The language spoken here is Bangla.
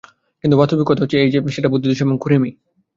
কিন্তু বাস্তবিক কথাটা হচ্ছে এই যে, সেটা বুদ্ধির দোষ এবং ঐ কুড়েমি।